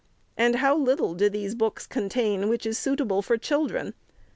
And how little do these books contain, which is suitable for children